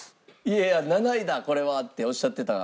いやいや「７位だこれは」っておっしゃってた。